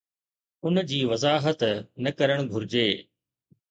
ان جي وضاحت نه ڪرڻ گهرجي.